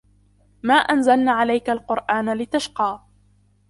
ما أنزلنا عليك القرآن لتشقى